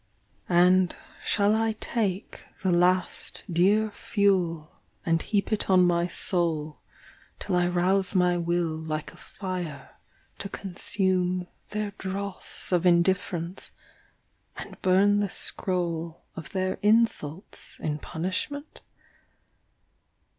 And shall I take The last dear fuel and heap it on my soul Till I rouse my will like a fire to consume Their dross of indifference, and burn the scroll Of their insults in punishment?